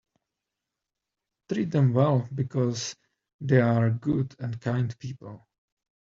Treat them well because they are good and kind people.